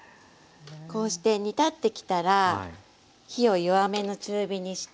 こうして煮立ってきたら火を弱めの中火にして。